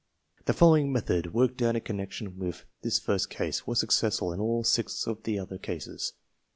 The following method, worked out in connection with this first case, was successful in all six of the other cases.